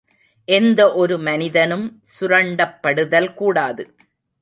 எந்த ஒரு மனிதனும் சுரண்டப் படுதல் கூடாது.